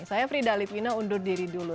saya frida litwina undur diri dulu